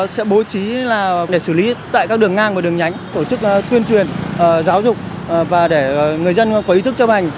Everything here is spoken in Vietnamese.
sẽ bố trí để xử lý tại các đường ngang và đường nhánh tổ chức tuyên truyền giáo dục và để người dân có ý thức chấp hành